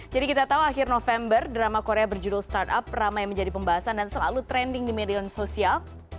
jadi kita tahu akhir november drama korea berjudul start up ramai menjadi pembahasan dan selalu trending di media sosial